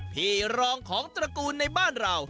พี่รองของตระกูลในบ้านเรา